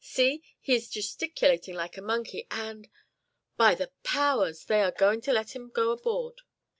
See, he is gesticulating like a monkey, and By the powers, they are going to let him go aboard!"